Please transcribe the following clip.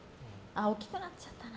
大きくなっちゃったな。